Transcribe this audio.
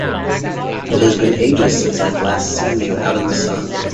It has been ages since I've last seen you out in the sun!